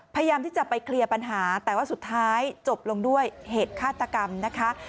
พยายามที่จะไปเคลียร์ปัญหาแต่ว่าสุดท้ายจบลงด้วยเหตุฆาตกรรมนะคะ